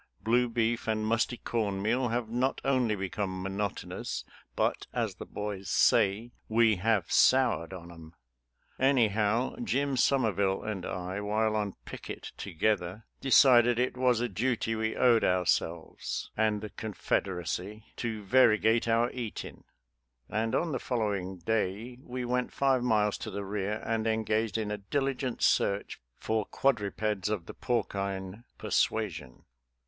Blue beef and musty corn meal have not only become monotonous, but, as the boys say, "We have soured on 'em." Anyhow, Jim Somerville and I, while on picket together, de cided it was a duty we owed ourselves and the Confederacy to " varigate our eatin'," and on the following day we went five miles to the rear, and engaged in a diligent search for quadrupeds of 150 FORAGING FOR HOG MEAT 151 the porcine persuasion.